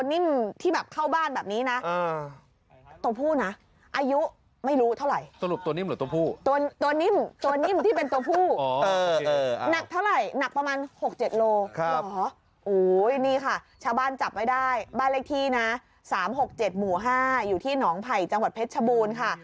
หนักเท่าไรหนักประมาณ๖๗โลหรอโอ้ยนี่ค่ะชาวบ้านจับไว้ได้บ้านเลขที่นะ๓๖๗๕อยู่ที่หนองไผ่จังหวัดเพชรชบูรณ์ค่ะ